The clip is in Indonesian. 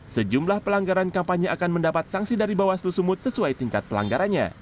sejumlah pelanggaran kampanye akan mendapat sanksi dari bawaslu sumut sesuai tingkat pelanggarannya